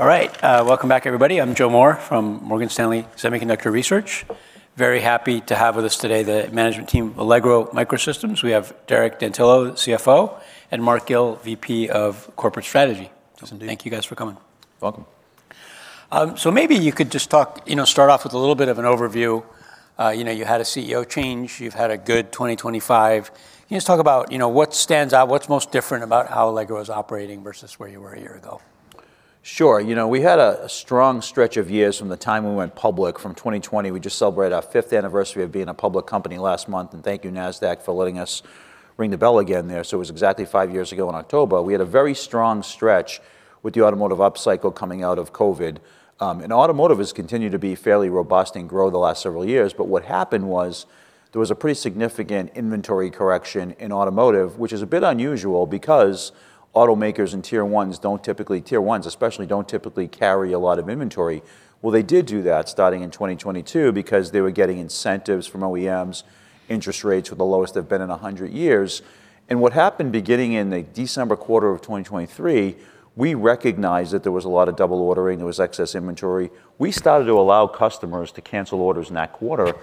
All right, welcome back, everybody. I'm Joe Moore from Morgan Stanley Semiconductor Research. Very happy to have with us today the Management team of Allegro MicroSystems. We have Derek D'Antilio, CFO, and Mark Gill, VP of Corporate Strategy. Thank you guys for coming. Welcome. So maybe you could just talk, you know, start off with a little bit of an overview. You know, you had a CEO change. You've had a good 2025. Can you just talk about, you know, what stands out, what's most different about how Allegro is operating versus where you were a year ago? Sure. You know, we had a strong stretch of years from the time we went public from 2020. We just celebrated our fifth anniversary of being a public company last month, and thank you, Nasdaq, for letting us ring the bell again there, so it was exactly five years ago in October. We had a very strong stretch with the automotive upcycle coming out of COVID, and automotive has continued to be fairly robust and grow the last several years, but what happened was there was a pretty significant inventory correction in automotive, which is a bit unusual because automakers and tier ones don't typically, tier ones especially, don't typically carry a lot of inventory, well, they did do that starting in 2022 because they were getting incentives from OEMs, interest rates were the lowest they've been in 100 years. What happened beginning in the December quarter of 2023, we recognized that there was a lot of double ordering. There was excess inventory. We started to allow customers to cancel orders in that quarter.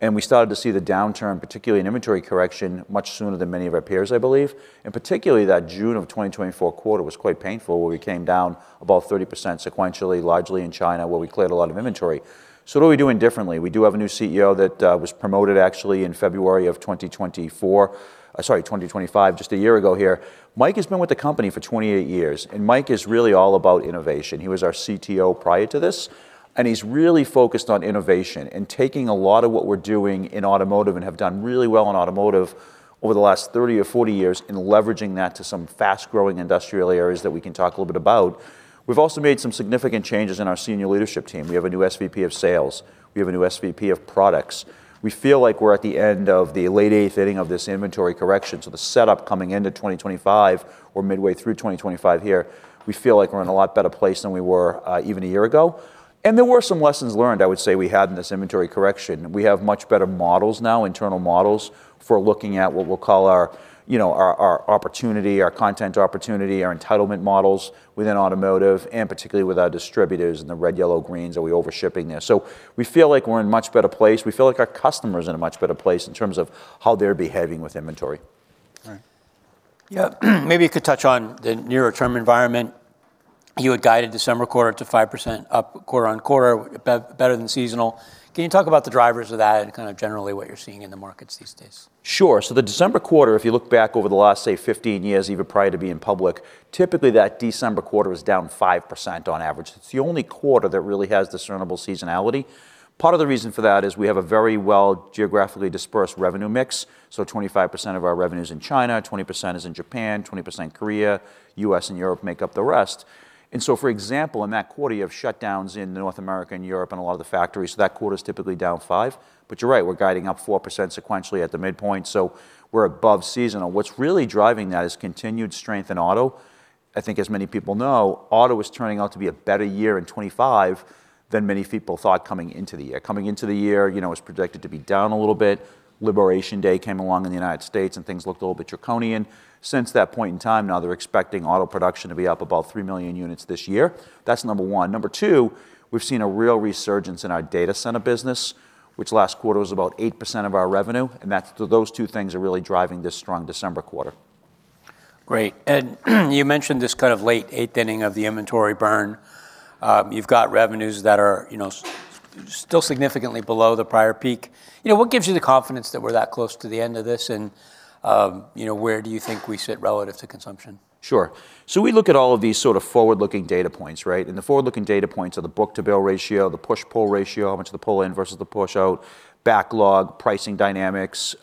And we started to see the downturn, particularly in inventory correction, much sooner than many of our peers, I believe. And particularly that June of 2024 quarter was quite painful, where we came down about 30% sequentially, largely in China, where we cleared a lot of inventory. So what are we doing differently? We do have a new CEO that was promoted actually in February of 2024, sorry, 2025, just a year ago here. Mike has been with the company for 28 years. And Mike is really all about innovation. He was our CTO prior to this. And he's really focused on innovation and taking a lot of what we're doing in automotive and have done really well in automotive over the last 30 or 40 years and leveraging that to some fast-growing industrial areas that we can talk a little bit about. We've also made some significant changes in our senior leadership team. We have a new SVP of Sales. We have a new SVP of Products. We feel like we're at the end of the late eighth inning of this inventory correction. So the setup coming into 2025 or midway through 2025 here, we feel like we're in a lot better place than we were even a year ago. And there were some lessons learned, I would say, we had in this inventory correction. We have much better models now, internal models for looking at what we'll call our, you know, our opportunity, our content opportunity, our entitlement models within automotive and particularly with our distributors and the red, yellow, greens that we overshipping there. So we feel like we're in a much better place. We feel like our customers are in a much better place in terms of how they're behaving with inventory. All right. Yeah. Maybe you could touch on the nearer term environment. You had guided December quarter to 5% up quarter on quarter, better than seasonal. Can you talk about the drivers of that and kind of generally what you're seeing in the markets these days? Sure. So the December quarter, if you look back over the last, say, 15 years, even prior to being public, typically that December quarter was down 5% on average. It's the only quarter that really has discernible seasonality. Part of the reason for that is we have a very well geographically dispersed revenue mix. So 25% of our revenue is in China, 20% is in Japan, 20% Korea, U.S., and Europe make up the rest. And so, for example, in that quarter, you have shutdowns in North America and Europe and a lot of the factories. So that quarter is typically down 5%. But you're right, we're guiding up 4% sequentially at the midpoint. So we're above seasonal. What's really driving that is continued strength in auto. I think as many people know, auto is turning out to be a better year in 2025 than many people thought coming into the year. Coming into the year, you know, it was predicted to be down a little bit. Liberation Day came along in the United States and things looked a little bit draconian. Since that point in time, now they're expecting auto production to be up about 3 million units this year. That's number one. Number two, we've seen a real resurgence in our data center business, which last quarter was about 8% of our revenue. And that's those two things are really driving this strong December quarter. Great. And you mentioned this kind of late eighth inning of the inventory burn. You've got revenues that are, you know, still significantly below the prior peak. You know, what gives you the confidence that we're that close to the end of this? And, you know, where do you think we sit relative to consumption? Sure. So we look at all of these sort of forward-looking data points, right? And the forward-looking data points are the book-to-bill ratio, the push-pull ratio, how much to pull in versus the push-out, backlog, pricing dynamics.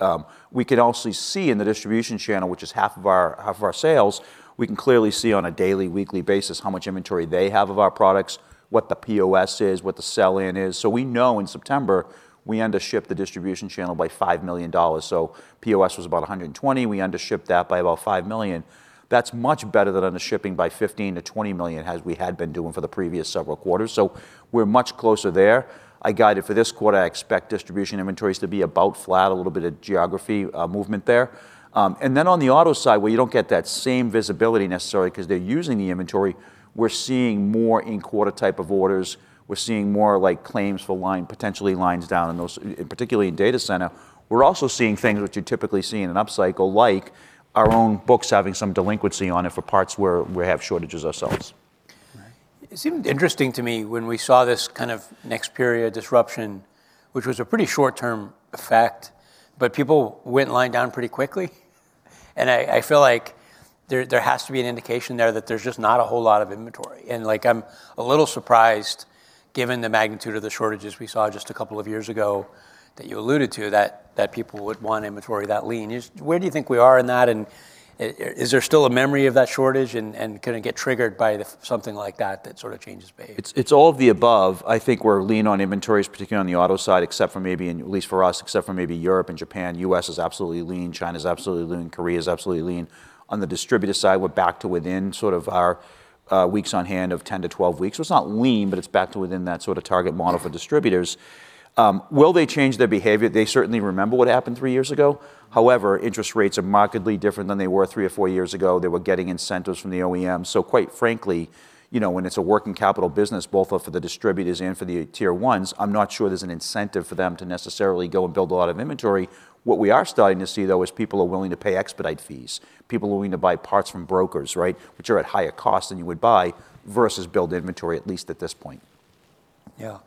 We can also see in the distribution channel, which is half of our sales. We can clearly see on a daily, weekly basis how much inventory they have of our products, what the POS is, what the sell-in is. So we know in September we under-shipped the distribution channel by $5 million. So POS was about 120. We under-shipped that by about $5 million. That's much better than under-shipping by $15 million-$20 million as we had been doing for the previous several quarters. So we're much closer there. I guided for this quarter. I expect distribution inventories to be about flat, a little bit of geography movement there. And then on the auto side, where you don't get that same visibility necessarily because they're using the inventory, we're seeing more in quarter type of orders. We're seeing more like claims for line, potentially lines down in those, particularly in data center. We're also seeing things which you typically see in an upcycle, like our own books having some delinquency on it for parts where we have shortages ourselves. It seemed interesting to me when we saw this kind of next period disruption, which was a pretty short-term effect, but people went line down pretty quickly. And I feel like there has to be an indication there that there's just not a whole lot of inventory. And like I'm a little surprised given the magnitude of the shortages we saw just a couple of years ago that you alluded to that people would want inventory that lean. Where do you think we are in that? And is there still a memory of that shortage and can it get triggered by something like that that sort of changes behavior? It's all of the above. I think we're lean on inventories, particularly on the auto side, except for maybe, at least for us, except for maybe Europe and Japan. U.S. is absolutely lean. China's absolutely lean. Korea's absolutely lean. On the distributor side, we're back to within sort of our weeks on hand of 10-12 weeks. So it's not lean, but it's back to within that sort of target model for distributors. Will they change their behavior? They certainly remember what happened three years ago. However, interest rates are markedly different than they were three or four years ago. They were getting incentives from the OEM. So quite frankly, you know, when it's a working capital business, both for the distributors and for the tier ones, I'm not sure there's an incentive for them to necessarily go and build a lot of inventory. What we are starting to see, though, is people are willing to pay expedite fees, people willing to buy parts from brokers, right, which are at higher cost than you would buy versus build inventory, at least at this point. Yeah.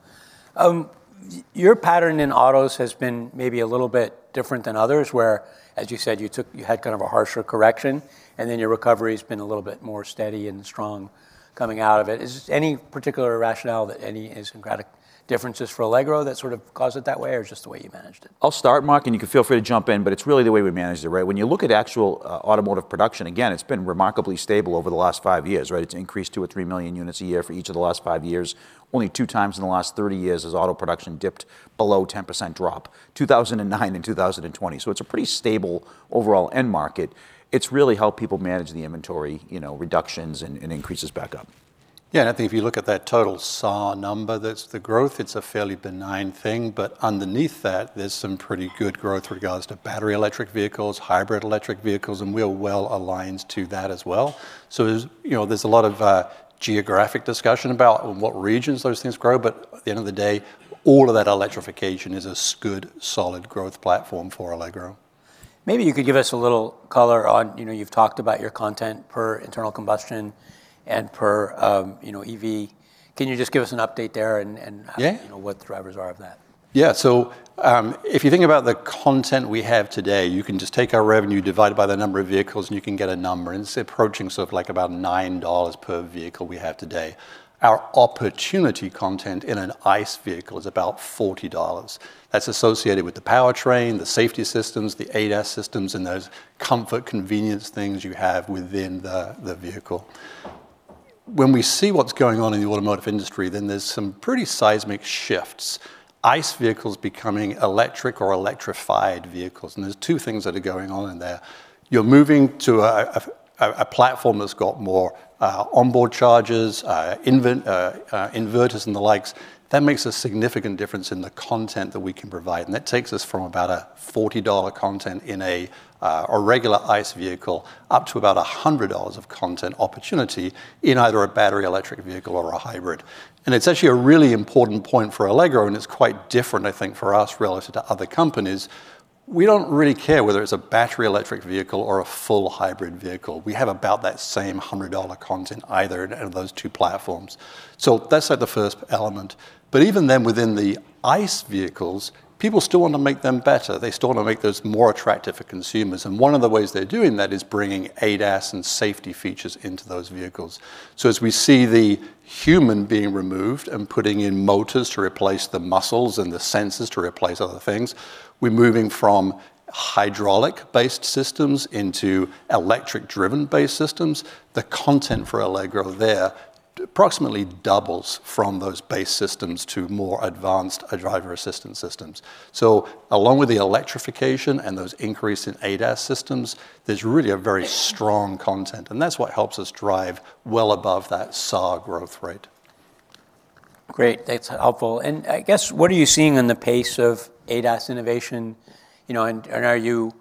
Your pattern in Autos has been maybe a little bit different than others, where, as you said, you had kind of a harsher correction and then your recovery has been a little bit more steady and strong coming out of it. Is there any particular rationale that any systematic differences for Allegro that sort of caused it that way or just the way you managed it? I'll start, Mark, and you can feel free to jump in, but it's really the way we manage it, right? When you look at actual automotive production, again, it's been remarkably stable over the last five years, right? It's increased two or three million units a year for each of the last five years. Only two times in the last 30 years has auto production dipped below 10% drop, 2009 and 2020. So it's a pretty stable overall end market. It's really helped people manage the inventory, you know, reductions and increases back up. Yeah. And I think if you look at that total SAAR number, that's the growth. It's a fairly benign thing. But underneath that, there's some pretty good growth regards to Battery Electric Vehicles, Hybrid Electric Vehicles, and we are well aligned to that as well. So there's, you know, there's a lot of geographic discussion about in what regions those things grow. But at the end of the day, all of that electrification is a good solid growth platform for Allegro. Maybe you could give us a little color on, you know, you've talked about your content per internal combustion and per, you know, EV. Can you just give us an update there and how, you know, what the drivers are of that? Yeah. So if you think about the content we have today, you can just take our revenue, divide it by the number of vehicles, and you can get a number. And it's approaching sort of like about $9 per vehicle we have today. Our opportunity content in an ICE vehicle is about $40. That's associated with the powertrain, the safety systems, the ADAS systems, and those comfort convenience things you have within the vehicle. When we see what's going on in the Automotive industry, then there's some pretty seismic shifts. ICE vehicles becoming electric or electrified vehicles. And there's two things that are going on in there. You're moving to a platform that's got more onboard chargers, inverters and the likes. That makes a significant difference in the content that we can provide. And that takes us from about a $40 content in a regular ICE vehicle up to about $100 of content opportunity in either a Battery Electric Vehicle or a Hybrid. And it's actually a really important point for Allegro. And it's quite different, I think, for us relative to other companies. We don't really care whether it's a Battery Electric Vehicle or a full Hybrid Vehicle. We have about that same $100 content either in those two platforms. So that's like the first element. But even then within the ICE vehicles, people still want to make them better. They still want to make those more attractive for consumers. And one of the ways they're doing that is bringing ADAS and safety features into those vehicles. So as we see the human being removed and putting in motors to replace the muscles and the sensors to replace other things, we're moving from hydraulic-based systems into electric-driven-based systems. The content for Allegro there approximately doubles from those base systems to more advanced driver assistance systems. So along with the electrification and those increase in ADAS systems, there's really a very strong content. And that's what helps us drive well above that SAAR growth rate. Great. That's helpful. And I guess, what are you seeing in the pace of ADAS innovation? You know, and are you,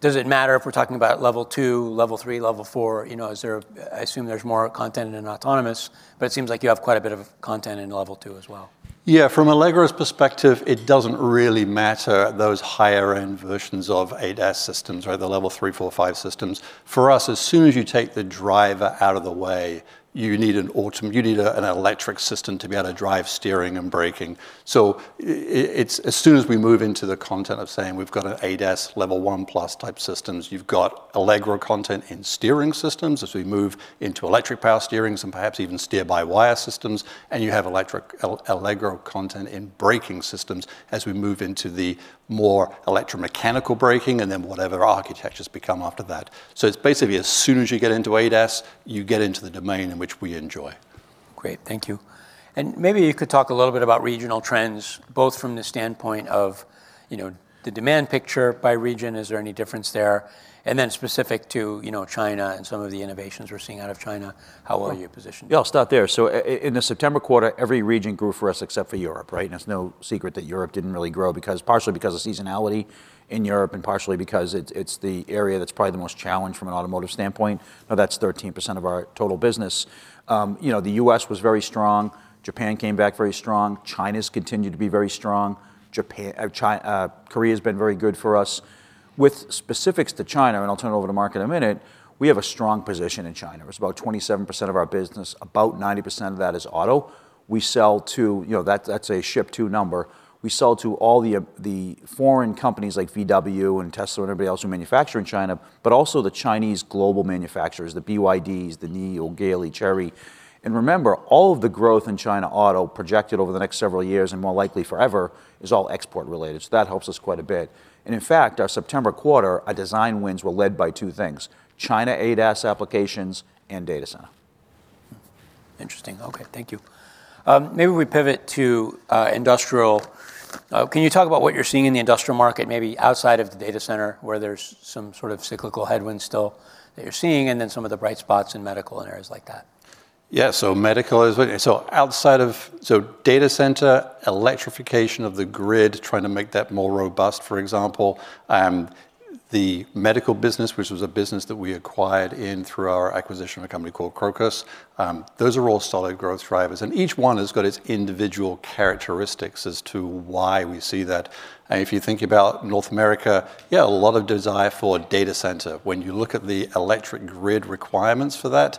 does it matter if we're talking about level two, level three, level four? You know, is there, I assume there's more content in autonomous, but it seems like you have quite a bit of content in level two as well. Yeah. From Allegro's perspective, it doesn't really matter, those higher-end versions of ADAS systems or the level three, four, five systems. For us, as soon as you take the driver out of the way, you need an auto, you need an electric system to be able to drive steering and braking. So it's as soon as we move into the content of saying we've got an ADAS level one plus type systems, you've got Allegro content in steering systems as we move into electric power steerings and perhaps even steer-by-wire systems, and you have Allegro content in braking systems as we move into the more electromechanical braking and then whatever architectures become after that. So it's basically as soon as you get into ADAS, you get into the domain in which we enjoy. Great. Thank you. And maybe you could talk a little bit about regional trends, both from the standpoint of, you know, the demand picture by region, is there any difference there? And then specific to, you know, China and some of the innovations we're seeing out of China, how are you positioned? Yeah, I'll start there. So in the September quarter, every region grew for us except for Europe, right? And it's no secret that Europe didn't really grow because partially because of seasonality in Europe and partially because it's the area that's probably the most challenged from an automotive standpoint. Now that's 13% of our total business. You know, the U.S. was very strong. Japan came back very strong. China's continued to be very strong. Korea's been very good for us. With specifics to China, and I'll turn it over to Mark in a minute, we have a strong position in China. It's about 27% of our business, about 90% of that is auto. We sell to, you know, that's a ship-to number. We sell to all the foreign companies like VW and Tesla and everybody else who manufacture in China, but also the Chinese global manufacturers, the BYDs, the NIO, Geely, Chery, and remember, all of the growth in China auto projected over the next several years and more likely forever is all export related, so that helps us quite a bit, and in fact, our September quarter, our design wins were led by two things: China ADAS applications and data center. Interesting. Okay. Thank you. Maybe we pivot to industrial. Can you talk about what you're seeing in the industrial market, maybe outside of the data center where there's some sort of cyclical headwinds still that you're seeing and then some of the bright spots in medical and areas like that? Yeah. Medical is outside of data center, electrification of the grid, trying to make that more robust, for example. The medical business, which was a business that we acquired through our acquisition of a company called Crocus, those are all solid growth drivers. Each one has got its individual characteristics as to why we see that. If you think about North America, yeah, a lot of desire for data center. When you look at the electric grid requirements for that,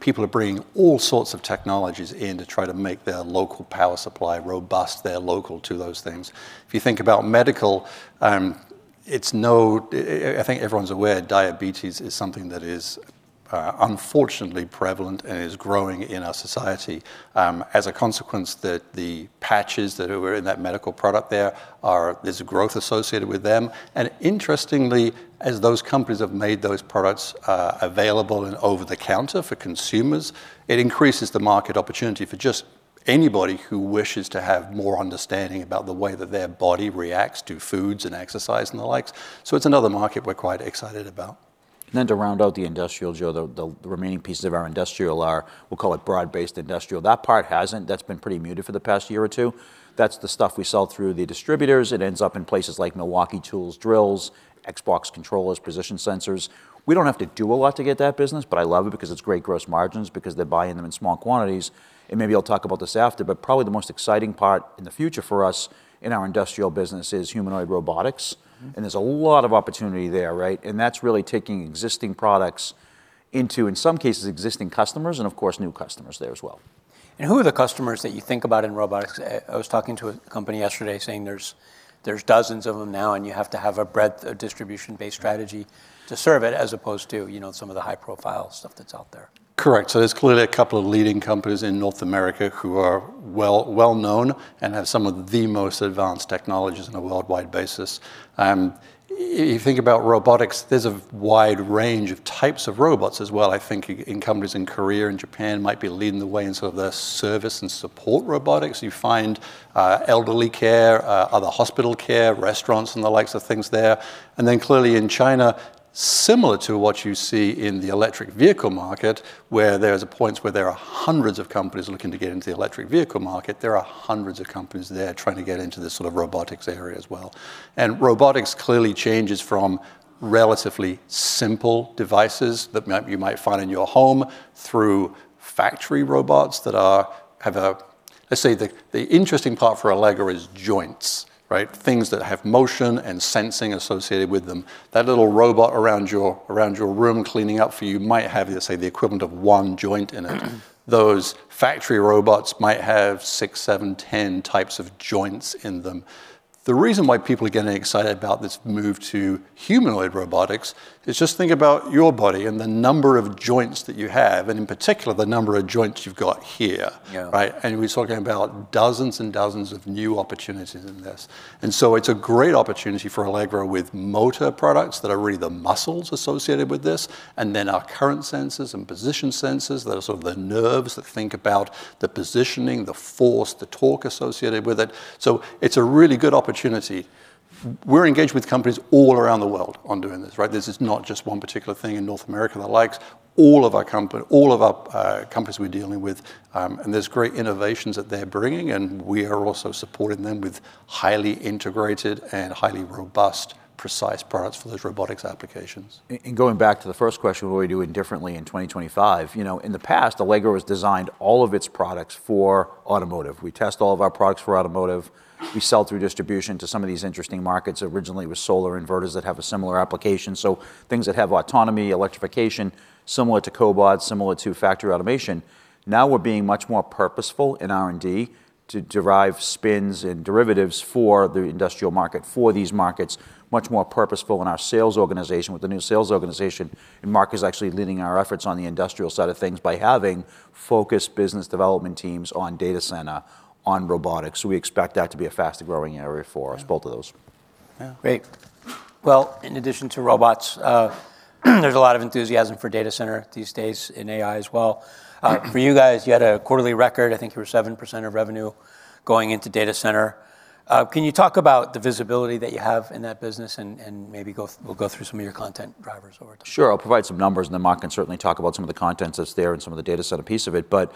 people are bringing all sorts of technologies in to try to make their local power supply robust, local to those things. If you think about medical, no, I think everyone's aware, diabetes is something that is unfortunately prevalent and is growing in our society. As a consequence, the patches that are in that medical product, there's a growth associated with them. And interestingly, as those companies have made those products available and over the counter for consumers, it increases the market opportunity for just anybody who wishes to have more understanding about the way that their body reacts to foods and exercise and the likes. So it's another market we're quite excited about. And then to round out the industrial, Joe, the remaining pieces of our industrial are, we'll call it broad-based industrial. That part hasn't, that's been pretty muted for the past year or two. That's the stuff we sell through the distributors. It ends up in places like Milwaukee Tool drills, Xbox controllers, position sensors. We don't have to do a lot to get that business, but I love it because it's great gross margins because they're buying them in small quantities. And maybe I'll talk about this after, but probably the most exciting part in the future for us in our industrial business is humanoid robotics. And there's a lot of opportunity there, right? And that's really taking existing products into, in some cases, existing customers and of course new customers there as well. And who are the customers that you think about in robotics? I was talking to a company yesterday saying there's dozens of them now and you have to have a breadth of distribution-based strategy to serve it as opposed to, you know, some of the high-profile stuff that's out there. Correct. So there's clearly a couple of leading companies in North America who are well known and have some of the most advanced technologies on a worldwide basis. You think about robotics, there's a wide range of types of robots as well. I think in companies in Korea and Japan might be leading the way in sort of the service and support robotics. You find elderly care, other hospital care, restaurants and the likes of things there. And then clearly in China, similar to what you see in the Electric Vehicle market, where there's points where there are hundreds of companies looking to get into the Electric Vehicle market, there are hundreds of companies there trying to get into this sort of robotics area as well. And robotics clearly changes from relatively simple devices that you might find in your home through factory robots that are, have a, let's say the interesting part for Allegro is joints, right? Things that have motion and sensing associated with them. That little robot around your room cleaning up for you might have, let's say, the equivalent of one joint in it. Those factory robots might have six, seven, 10 types of joints in them. The reason why people are getting excited about this move to humanoid robotics is just think about your body and the number of joints that you have and in particular the number of joints you've got here, right? And we're talking about dozens and dozens of new opportunities in this. And so it's a great opportunity for Allegro with motor products that are really the muscles associated with this and then our current sensors and position sensors that are sort of the nerves that think about the positioning, the force, the torque associated with it. So it's a really good opportunity. We're engaged with companies all around the world on doing this, right? This is not just one particular thing in North America and the likes. All of our companies, all of our companies we're dealing with, and there's great innovations that they're bringing and we are also supporting them with highly integrated and highly robust, precise products for those robotics applications. And going back to the first question, what are we doing differently in 2025? You know, in the past, Allegro has designed all of its products for automotive. We test all of our products for automotive. We sell through distribution to some of these interesting markets originally with solar inverters that have a similar application. So things that have autonomy, electrification, similar to cobot, similar to Factory Automation. Now we're being much more purposeful in R&D to derive spins and derivatives for the industrial market, for these markets, much more purposeful in our sales organization with the new sales organization. And Mark is actually leading our efforts on the industrial side of things by having focused business development teams on data center, on robotics. So we expect that to be a fast growing area for us, both of those. Great. In addition to robots, there's a lot of enthusiasm for data center these days in AI as well. For you guys, you had a quarterly record, I think you were 7% of revenue going into data center. Can you talk about the visibility that you have in that business and maybe we'll go through some of your content drivers over to? Sure. I'll provide some numbers and then Mark can certainly talk about some of the contents that's there and some of the data center piece of it. But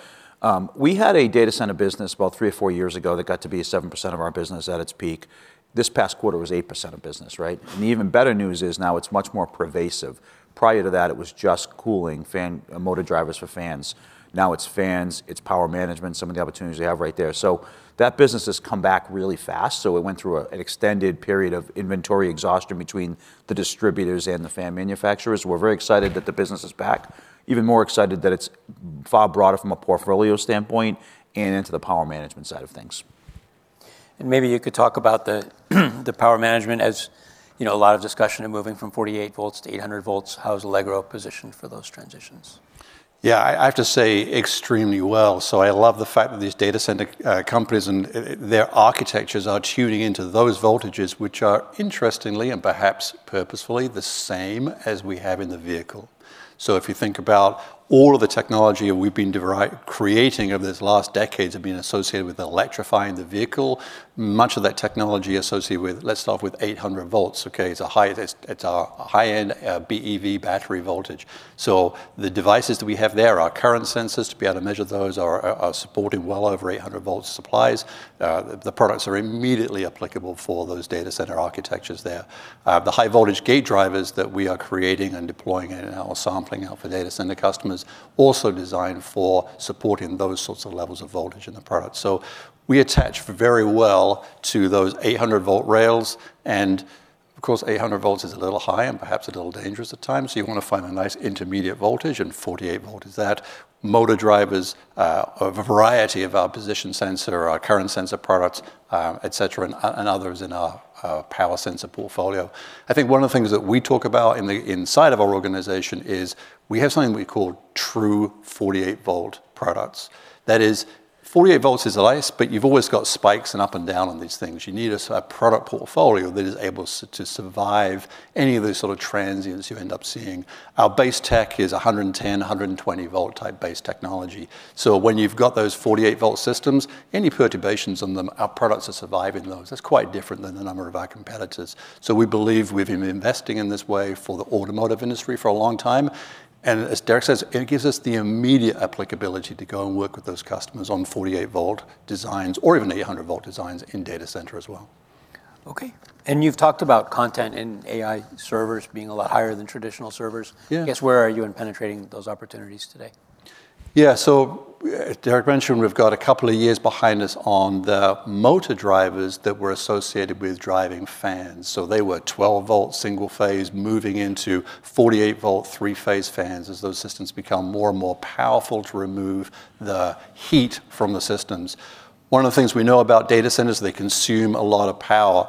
we had a data center business about three or four years ago that got to be 7% of our business at its peak. This past quarter was 8% of business, right? And the even better news is now it's much more pervasive. Prior to that, it was just cooling, motor drivers for fans. Now it's fans, it's power management, some of the opportunities we have right there. So that business has come back really fast. So it went through an extended period of inventory exhaustion between the distributors and the fan manufacturers. We're very excited that the business is back, even more excited that it's far broader from a portfolio standpoint and into the power management side of things. Maybe you could talk about the power management as, you know, a lot of discussion of moving from 48 volts to 800 volts. How is Allegro positioned for those transitions? Yeah, I have to say extremely well. So I love the fact that these data center companies and their architectures are tuning into those voltages, which are interestingly and perhaps purposefully the same as we have in the vehicle. So if you think about all of the technology we've been creating over this last decade has been associated with electrifying the vehicle. Much of that technology associated with, let's start with 800 volts, okay? It's a high-end BEV battery voltage. So the devices that we have there, our current sensors to be able to measure those are supporting well over 800 volts supplies. The products are immediately applicable for those data center architectures there. The high-voltage gate drivers that we are creating and deploying and our sampling out for data center customers are also designed for supporting those sorts of levels of voltage in the product. We attach very well to those 800 volt rails. Of course, 800 volts is a little high and perhaps a little dangerous at times. You want to find a nice intermediate voltage, and 48 volt is that. Motor drivers, a variety of our position sensor, our current sensor products, et cetera, and others in our power sensor portfolio. I think one of the things that we talk about inside of our organization is we have something we call true 48 volt products. That is, 48 volts is less, but you've always got spikes and up and down on these things. You need a product portfolio that is able to survive any of those sort of transients you end up seeing. Our base tech is 110 or 120 volt type base technology. So when you've got those 48 volt systems and your perturbations on them, our products are surviving those. That's quite different than the number of our competitors. So we believe we've been investing in this way for the Automotive industry for a long time. And as Derek says, it gives us the immediate applicability to go and work with those customers on 48 volt designs or even 800 volt designs in data center as well. Okay. And you've talked about content and AI servers being a lot higher than traditional servers. I guess where are you in penetrating those opportunities today? Yeah. So as Derek mentioned, we've got a couple of years behind us on the motor drivers that were associated with driving fans. So they were 12 volt single phase moving into 48 volt three phase fans as those systems become more and more powerful to remove the heat from the systems. One of the things we know about data centers is they consume a lot of power.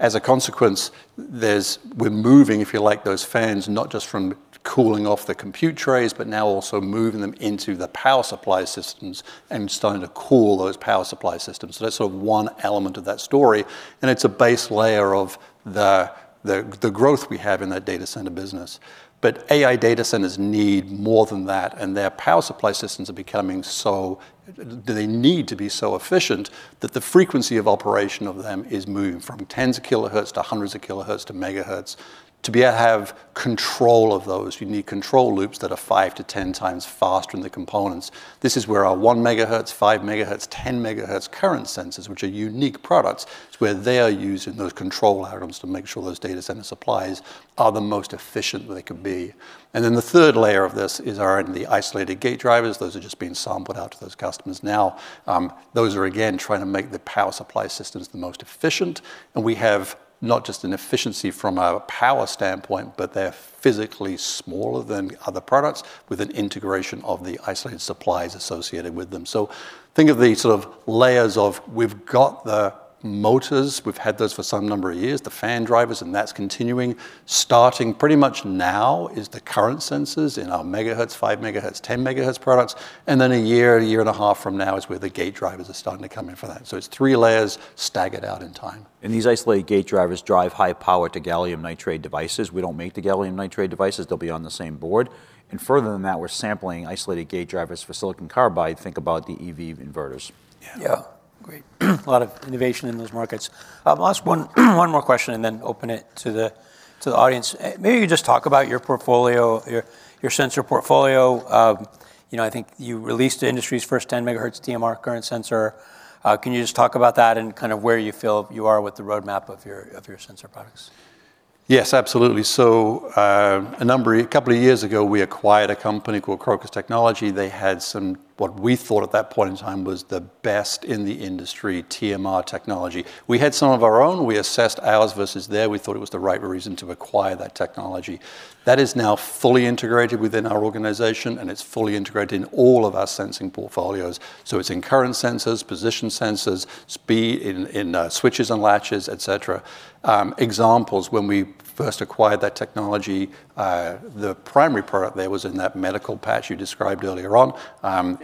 As a consequence, we're moving, if you like, those fans not just from cooling off the compute trays, but now also moving them into the power supply systems and starting to cool those power supply systems. So that's sort of one element of that story. And it's a base layer of the growth we have in that data center business. But AI data centers need more than that. And their power supply systems are becoming so they need to be so efficient that the frequency of operation of them is moving from tens of KHz to hundreds of KHz to MHz to be able to have control of those unique control loops that are five to 10 times faster in the components. This is where our one MHz, five MHz, 10 MHz current sensors, which are unique products, is where they are using those control algorithms to make sure those data center supplies are the most efficient that they could be. And then the third layer of this is our isolated gate drivers. Those are just being sampled out to those customers now. Those are again trying to make the power supply systems the most efficient. And we have not just an efficiency from a power standpoint, but they're physically smaller than other products with an integration of the isolated supplies associated with them. So think of the sort of layers we've got the motors, we've had those for some number of years, the fan drivers, and that's continuing. Starting pretty much now is the current sensors in our MHz, five MHz, 10 MHz products. And then a year, a year and a half from now is where the gate drivers are starting to come in for that. So it's three layers staggered out in time. These isolated gate drivers drive high power to gallium nitride devices. We don't make the gallium nitride devices. They'll be on the same board. Further than that, we're sampling isolated gate drivers for silicon carbide. Think about the EV inverters. Yeah. Yeah. Great. A lot of innovation in those markets. Last one, one more question and then open it to the audience. Maybe you just talk about your portfolio, your sensor portfolio. You know, I think you released the industry's first 10 MHz TMR current sensor. Can you just talk about that and kind of where you feel you are with the roadmap of your sensor products? Yes, absolutely. So a number, a couple of years ago, we acquired a company called Crocus Technology. They had some, what we thought at that point in time was the best in the industry, TMR technology. We had some of our own. We assessed ours versus theirs. We thought it was the right reason to acquire that technology. That is now fully integrated within our organization and it's fully integrated in all of our sensing portfolios. So it's in current sensors, position sensors, speed and switches and latches, et cetera. Examples, when we first acquired that technology, the primary product there was in that medical patch you described earlier on.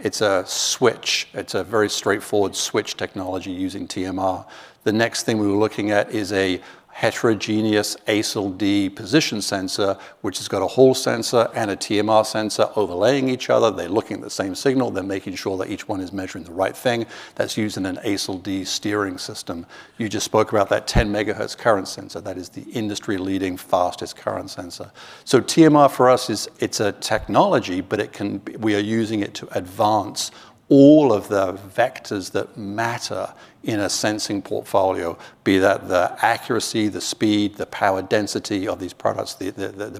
It's a switch. It's a very straightforward switch technology using TMR. The next thing we were looking at is a heterogeneous ASIL-D position sensor, which has got a Hall sensor and a TMR sensor overlaying each other. They're looking at the same signal. They're making sure that each one is measuring the right thing. That's used in an ASIL-D steering system. You just spoke about that 10 MHz current sensor. That is the industry-leading fastest current sensor. So TMR for us is, it's a technology, but it can, we are using it to advance all of the vectors that matter in a sensing portfolio, be that the accuracy, the speed, the power density of these products, the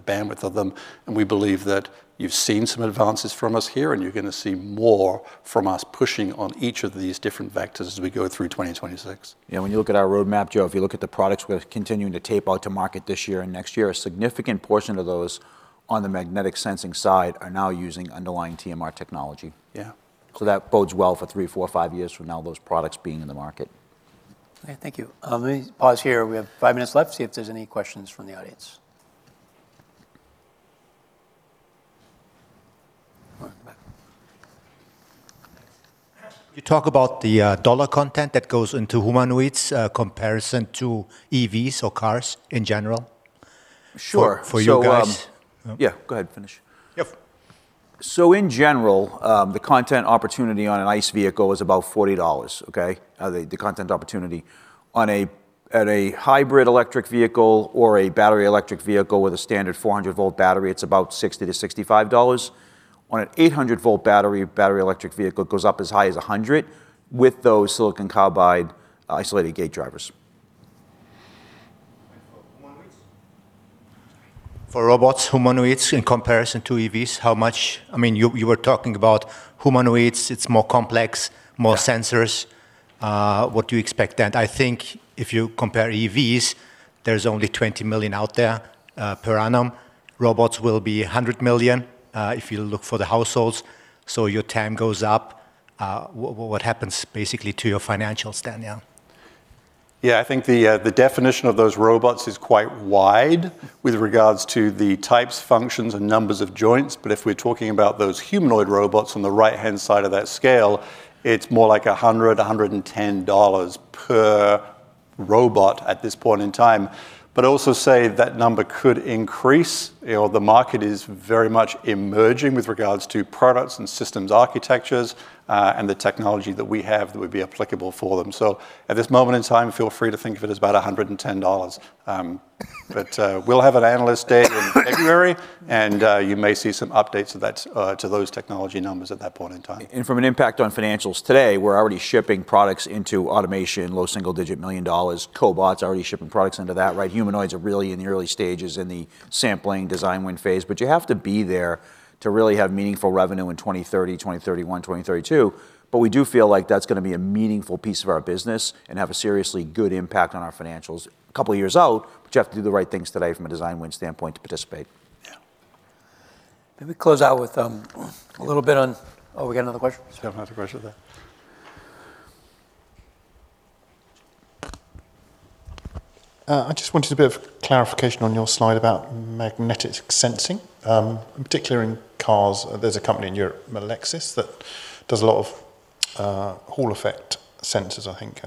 bandwidth of them. And we believe that you've seen some advances from us here and you're going to see more from us pushing on each of these different vectors as we go through 2026. Yeah. When you look at our roadmap, Joe, if you look at the products we're continuing to tape out to market this year and next year, a significant portion of those on the magnetic sensing side are now using underlying TMR technology. Yeah. So that bodes well for three, four, five years from now, those products being in the market. Okay. Thank you. Let me pause here. We have five minutes left. See if there's any questions from the audience. You talk about the dollar content that goes into humanoid's comparison to EVs or cars in general. Sure. For you guys. So. Yeah, go ahead, finish. Yep. So in general, the content opportunity on an ICE vehicle is about $40, okay? The content opportunity on a Hybrid Electric Vehicle or a Battery Electric Vehicle with a standard 400 volt battery, it's about $60 to $65. On an 800 volt battery, Battery Electric Vehicle goes up as high as $100 with those silicon carbide isolated gate drivers. For robots, humanoids in comparison to EVs, how much? I mean, you were talking about humanoids, it's more complex, more sensors. What do you expect then? I think if you compare EVs, there's only 20 million out there per annum. Robots will be 100 million if you look for the households. So your time goes up. What happens basically to your financials then, yeah? Yeah, I think the definition of those robots is quite wide with regards to the types, functions, and numbers of joints. But if we're talking about those humanoid robots on the right-hand side of that scale, it's more like $100, $110 per robot at this point in time. But I also say that number could increase or the market is very much emerging with regards to products and systems architectures and the technology that we have that would be applicable for them. So at this moment in time, feel free to think of it as about $110. But we'll have an analyst day in February and you may see some updates to those technology numbers at that point in time. And from an impact on financials today, we're already shipping products into automation, low single-digit million dollars. Cobots are already shipping products into that, right? Humanoids are really in the early stages in the sampling design win phase. But you have to be there to really have meaningful revenue in 2030, 2031, 2032. But we do feel like that's going to be a meaningful piece of our business and have a seriously good impact on our financials a couple of years out. But you have to do the right things today from a design win standpoint to participate. Yeah. Maybe close out with a little bit on. Oh, we got another question. We got another question there. I just wanted a bit of clarification on your slide about magnetic sensing. Particularly in cars, there's a company in Europe, Melexis, that does a lot of Hall-effect sensors, I think.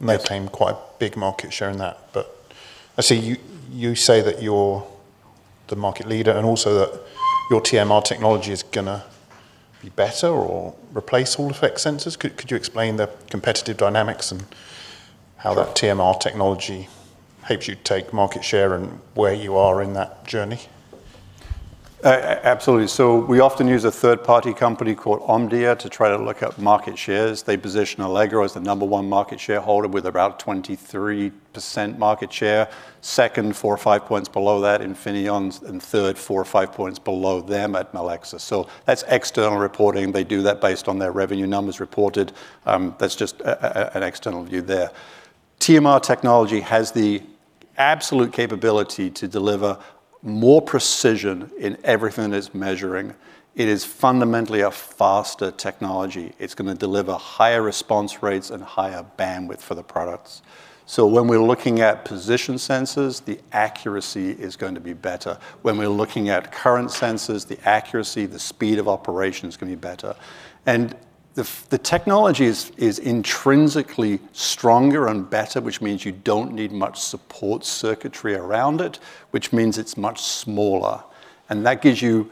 They claim quite a big market share in that. But I see you say that you're the market leader and also that your TMR technology is going to be better or replace Hall-effect sensors. Could you explain the competitive dynamics and how that TMR technology helps you take market share and where you are in that journey? Absolutely. So we often use a third-party company called Omdia to try to look at market shares. They position Allegro as the number one market shareholder with about 23% market share. Second, four or five points below that, Infineon, and third, four or five points below them at Melexis. So that's external reporting. They do that based on their revenue numbers reported. That's just an external view there. TMR technology has the absolute capability to deliver more precision in everything it's measuring. It is fundamentally a faster technology. It's going to deliver higher response rates and higher bandwidth for the products. So when we're looking at position sensors, the accuracy is going to be better. When we're looking at current sensors, the accuracy, the speed of operation is going to be better. And the technology is intrinsically stronger and better, which means you don't need much support circuitry around it, which means it's much smaller. And that gives you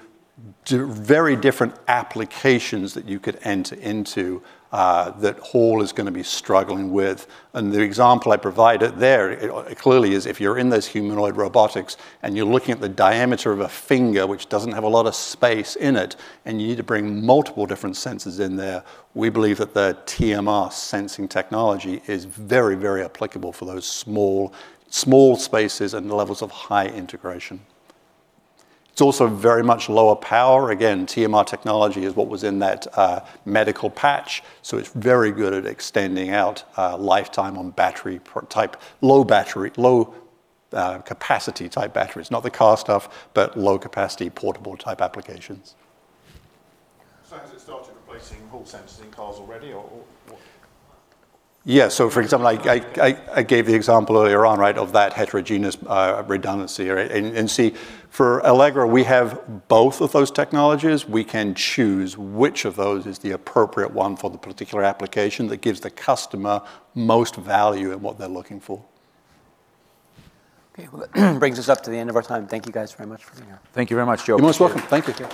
very different applications that you could enter into that Hall is going to be struggling with. And the example I provided there clearly is if you're in those humanoid robotics and you're looking at the diameter of a finger, which doesn't have a lot of space in it, and you need to bring multiple different sensors in there, we believe that the TMR sensing technology is very, very applicable for those small spaces and levels of high integration. It's also very much lower power. Again, TMR technology is what was in that medical patch. So it's very good at extending out lifetime on battery type, low battery, low capacity type batteries. Not the car stuff, but low capacity portable type applications. So has it started replacing Hall sensors in cars already or what? Yeah. So for example, I gave the example earlier on, right, of that heterogeneous redundancy here. And see, for Allegro, we have both of those technologies. We can choose which of those is the appropriate one for the particular application that gives the customer most value in what they're looking for. Okay. Well, that brings us up to the end of our time. Thank you guys very much for being here. Thank you very much, Joe. You're most welcome. Thank you.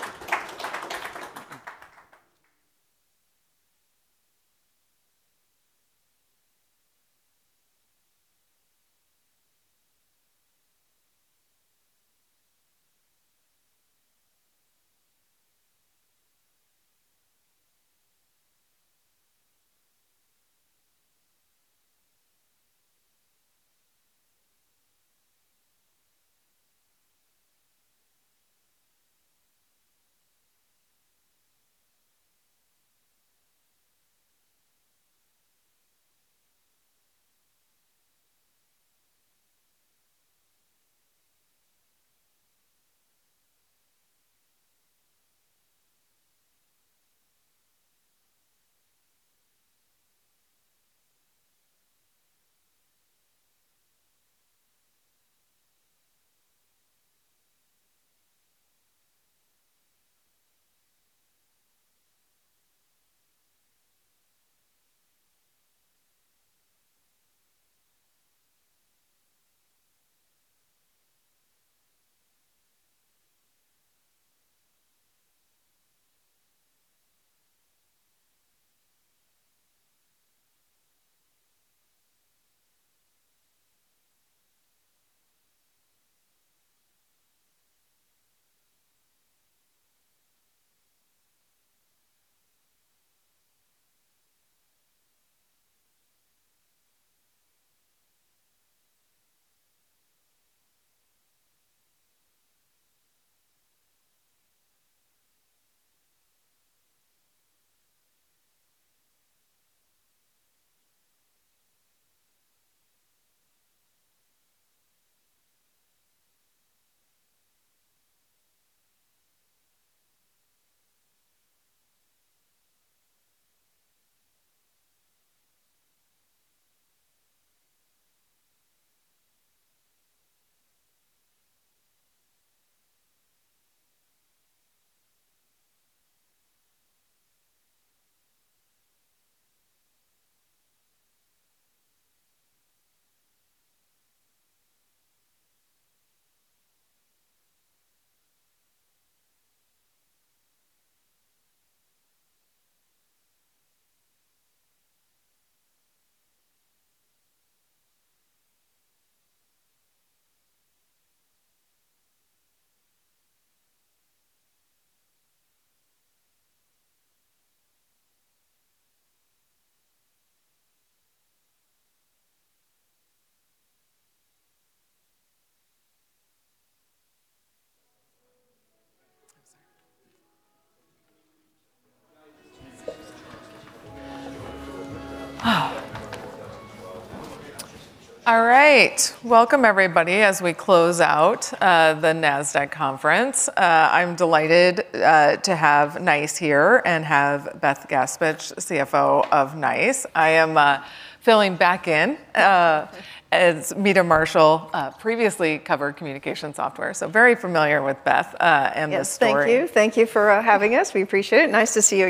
All right. Welcome everybody as we close out the Nasdaq Conference. I'm delighted to have NiCE here and have Beth Gaspich, CFO of NICE. I am filling back in as Meta Marshall, previously covered Communication Software. So very familiar with Beth and the story. Thank you. Thank you for having us. We appreciate it. Nice to see you.